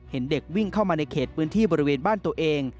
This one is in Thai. เห็นเด็กวิ่งเข้ามาในเขตพื้นที่บริเวณบ้านตัวเอง